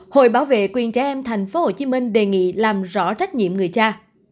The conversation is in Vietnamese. hội bảo vệ quyền trẻ em tp hcm đề nghị làm rõ trách nhiệm người cha